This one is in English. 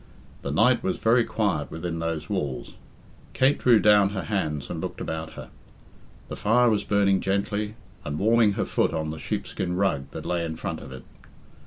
The night was very quiet within those walls. Kate drew down her hands and looked about her. The fire was burning gently, and warming her foot on the sheepskin rug that lay in front of it.